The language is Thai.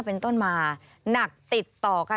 สวัสดีค่ะสวัสดีค่ะ